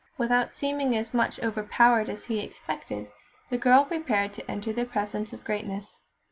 Without seeming as much overpowered as he expected, the girl prepared to enter the presence of greatness.